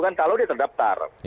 kalau dia terdaftar